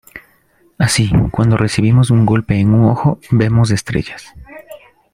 Así, cuando recibimos un golpe en un ojo, vemos estrellas.